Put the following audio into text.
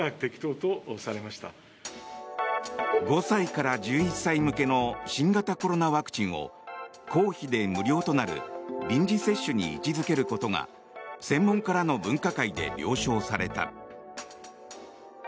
５歳から１１歳向けの新型コロナワクチンを公費で無料となる臨時接種に位置付けることが専門家らの分科会で了承された。